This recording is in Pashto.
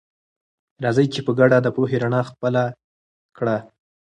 راځئ چې په ګډه د پوهې رڼا خپله کړه.